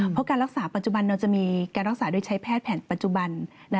เพราะการรักษาปัจจุบันเราจะมีการรักษาโดยใช้แพทย์แผนปัจจุบัน